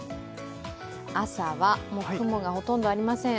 朝は雲がほとんどありません。